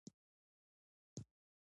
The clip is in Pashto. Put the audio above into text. لوستې میندې د ماشوم پر ودې ټینګار کوي.